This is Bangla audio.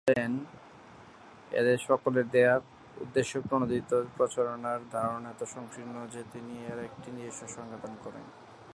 তিনি বলেন, এদের সকলের দেয়া উদ্দেশ্যপ্রণোদিত প্রচারণার ধারণা এত সংকীর্ণ যে তিনি এর একটি নিজস্ব সংজ্ঞা দান করেন।